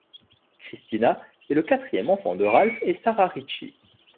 Christina est le quatrième enfant de Ralph et Sarah Ricci.